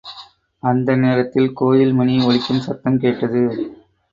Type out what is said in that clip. அந்த நேரத்தில் கோயில் மணி ஒலிக்கும் சத்தம் கேட்டது.